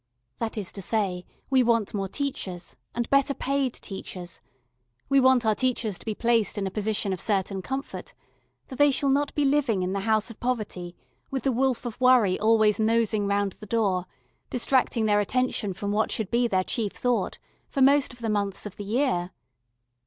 That is to say, we want more teachers, and better paid teachers; we want our teachers to be placed in a position of certain comfort, that they shall not be living in the House of Poverty with the wolf of Worry always nosing round the door, distracting their attention from what should be their chief thought for most of the months of the year.